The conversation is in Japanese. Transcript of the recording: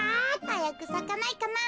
はやくさかないかな。